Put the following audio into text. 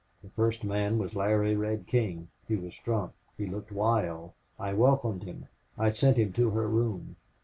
The first man was Larry Red King. He was drunk. He looked wild. I welcomed him. I sent him to her room.